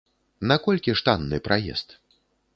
Наколькі ж танны праезд?